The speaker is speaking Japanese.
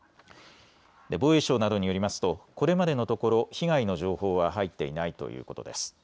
防衛省などによりますとこれまでのところ被害の情報は入っていないということです。